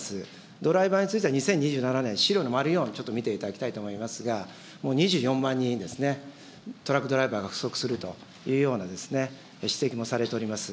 ドライバーについては２０２７年、資料の丸４、ちょっと見ていただきたいと思いますが、２４万人ですね、トラックドライバーが不足するというような指摘もされております。